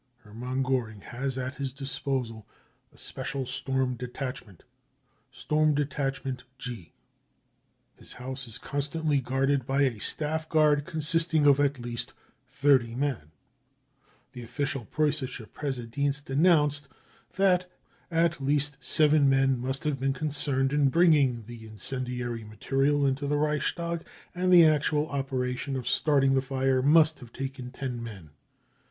Hermann Goering has at his disposal a special storm ^detachment, storm detachment G. His house is constantly guarded by a staff guard consisting of at least thirty men. The official Preussische Pressedienst announced that at least seven men must have been concerned in bringing die incendiary material into the Reichstag, and the actual operation of starting the fire mu?t have taken ten men.